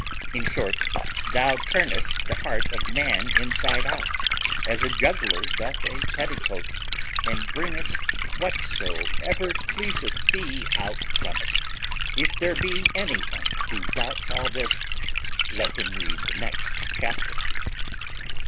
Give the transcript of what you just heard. In short, thou turnest the heart of man inside out, as a juggler doth a petticoat, and bringest whatsoever pleaseth thee out from it. If there be any one who doubts all this, let him read the next chapter.